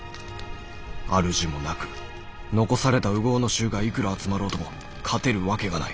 主もなく残された烏合の衆がいくら集まろうとも勝てるわけがない。